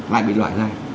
lại bị loại ra